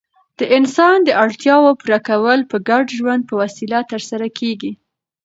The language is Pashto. د انسان داړتیاوو پوره کول په ګډ ژوند په وسیله ترسره کيږي.